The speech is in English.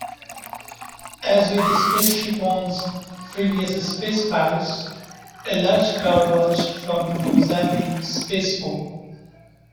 As with SpaceShipOne's previous spaceflights, a large crowd watched from Mojave Spaceport.